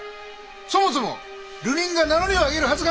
そもそも流人が名乗りを上げるはずがない！